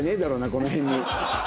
この辺に。